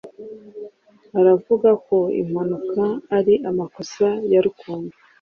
Uravuga ko impanuka ari amakosa ya Rukundo?